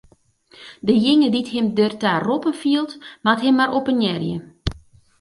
Dejinge dy't him derta roppen fielt, moat him mar oppenearje.